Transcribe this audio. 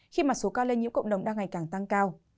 khi mà số ca lây nhiễm cộng đồng đang ngày càng tăng cao